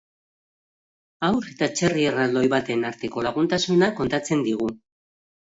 Haur eta txerri erraldoi baten arteko laguntasuna kontatzen digu.